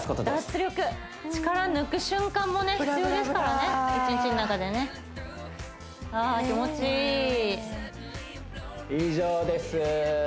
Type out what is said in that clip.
脱力力抜く瞬間も必要ですからね一日の中でねああ気持ちいい以上です